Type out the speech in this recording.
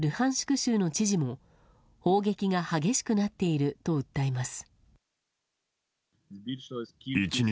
州の知事も砲撃が激しくなっていると訴えます。